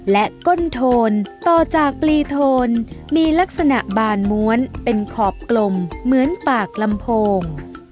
และก้นโทนต่อจากปลีโทนมีลักษณะบานม้วนเป็นขอบกลมเหมือนปากลำโพง